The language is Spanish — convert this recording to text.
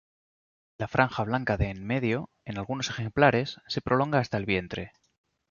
La franja blanca de en medio, en algunos ejemplares, se prolonga hasta el vientre.